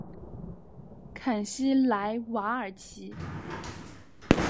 坎西莱瓦尔齐。